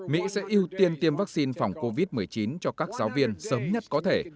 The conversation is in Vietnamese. mỹ sẽ ưu tiên tiêm vaccine phòng covid một mươi chín cho các giáo viên sớm nhất có thể